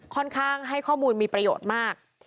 ค่อนข้างให้ข้อมูลมีประโยชน์มาก